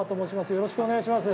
よろしくお願いします。